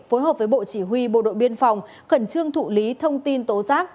phối hợp với bộ chỉ huy bộ đội biên phòng khẩn trương thụ lý thông tin tố giác